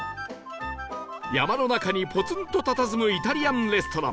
山の中にポツンと佇むイタリアンレストラン